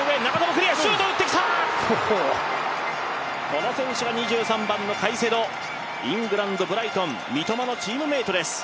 この選手が２３番のカイセド、イングランド、ブライトン三笘のチームメートです。